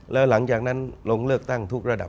แล้วหลังจากนั้นลงเลือกตั้งทุกระดับ